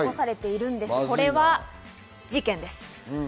これは事件です。